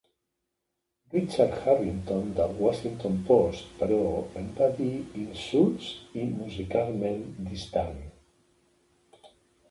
Richard Harrington del "Washington Post", però, en va dir "insuls i musicalment distant".